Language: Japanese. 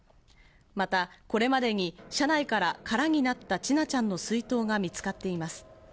またこれまでに車内から空になった千奈ちゃんの水筒が見つかっています。